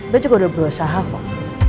dia juga udah berusaha kok